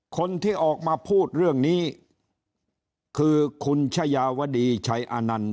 คนที่ออกมาพูดเรื่องนี้คือคุณชยาวดีชัยอานันต์